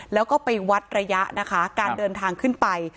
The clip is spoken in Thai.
แล้วก็ไปวัดระยะนะคะการเดินทางขึ้นไป